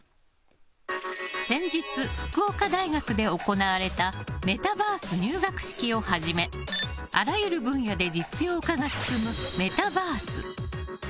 先日、福岡大学で行われたメタバース入学式をはじめあらゆる分野で実用化が進むメタバース。